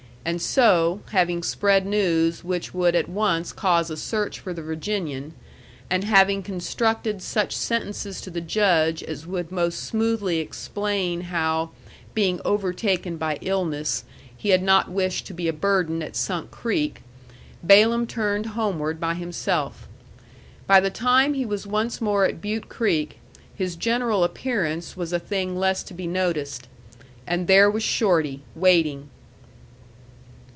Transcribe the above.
And so, having spread news which would at once cause a search for the Virginian, and having constructed such sentences to the Judge as would most smoothly explain how, being overtaken by illness, he had not wished to be a burden at Sunk Creek, Balaam turned homeward by himself. By the time he was once more at Butte Creek, his general appearance was a thing less to be noticed. And there was Shorty, waiting!